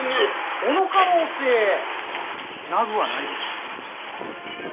その可能性なぐはないです。